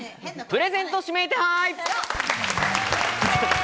プレゼント指名手配！